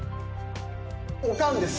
オカンです！